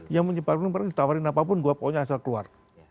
yang menyebar belum pernah ditawarin apapun gue pokoknya asal keluar